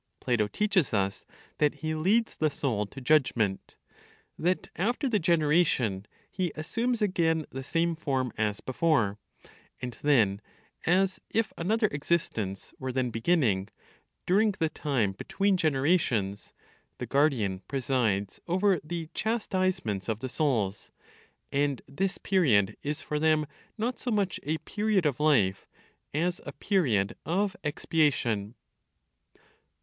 Plato teaches us that he leads the soul to judgment, that after the generation he assumes again the same form as before; and then as if another existence were then beginning, during the time between generations, the guardian presides over the chastisements of the souls, and this period is for them not so much a period of life, as a period of expiation.